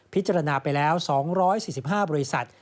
พิจารณาไปแล้ว๒๔๕บริษัท